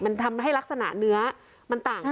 มันทำให้ลักษณะเนื้อมันต่างกัน